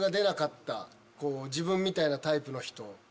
自分みたいなタイプの人。